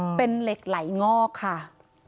เป็นเหล็กไหลงอกค่ะ